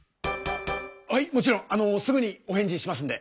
はいもちろんあのすぐにお返事しますんで。